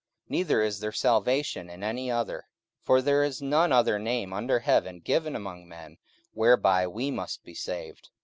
44:004:012 Neither is there salvation in any other: for there is none other name under heaven given among men, whereby we must be saved.